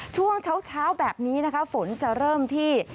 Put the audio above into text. ช่วงเช้าแบบนี้นะคะฝนจะเริ่มที่